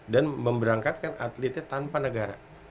dan memberangkatkan atletnya tanpa negara